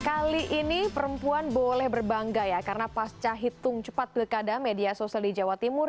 kali ini perempuan boleh berbangga ya karena pasca hitung cepat pilkada media sosial di jawa timur